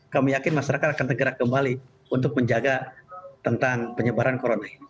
kami yakin masyarakat akan tergerak kembali untuk menjaga tentang penyebaran corona ini